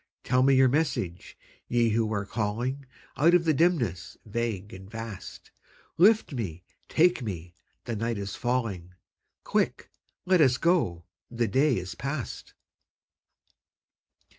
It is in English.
Tell me your message, Ye who are calling Out of the dimness vague and vast; Lift me, take me, the night is falling; Quick, let us go, the day is past.